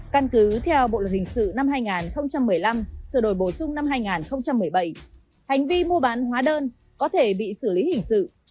căn cứ theo bộ luật hình sự năm hai nghìn một mươi năm sửa đổi bổ sung năm hai nghìn một mươi bảy hành vi mua bán hóa đơn có thể bị xử lý hình sự